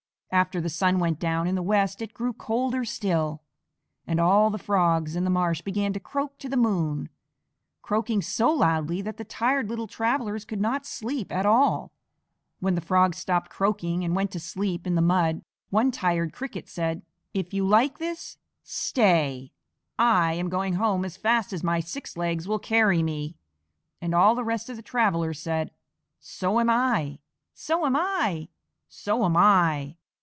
After the sun went down in the west it grew colder still, and all the Frogs in the marsh began to croak to the moon, croaking so loudly that the tired little travellers could not sleep at all. When the Frogs stopped croaking and went to sleep in the mud, one tired Cricket said: "If you like this, stay. I am going home as fast as my six little legs will carry me." And all the rest of the travellers said: "So am I," "So am I," "So am I."